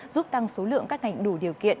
giúp tăng số lượng các ngành đủ điều kiện